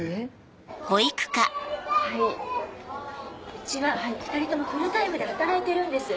うちは２人ともフルタイムで働いてるんです。